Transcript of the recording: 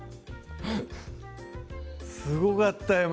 すごかったよ